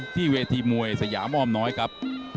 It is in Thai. ที่เวทีมวยสยามอ้อมน้อยครับ